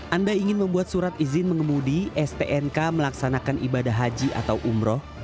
anda ingin membuat surat izin mengemudi stnk melaksanakan ibadah haji atau umroh